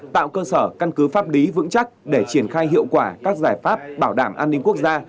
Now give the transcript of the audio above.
tạo cơ sở căn cứ pháp lý vững chắc để triển khai hiệu quả các giải pháp bảo đảm an ninh quốc gia